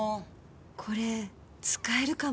これ使えるかも。